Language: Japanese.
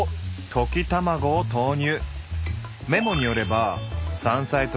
溶き卵を投入。